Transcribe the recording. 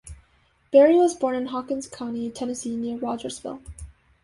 Berry was born in Hawkins County, Tennessee, near Rogersville.